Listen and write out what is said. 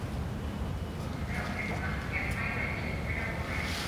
Ошонда үлеп, һаҫып ятмаймы, инеүсе лә булмаясаҡ.